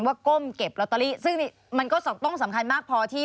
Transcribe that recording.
ก้มเก็บลอตเตอรี่ซึ่งมันก็ต้องสำคัญมากพอที่